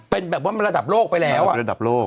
เป็นแบบว่ามันระดับโลกไปแล้วระดับโลก